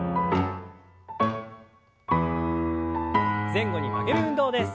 前後に曲げる運動です。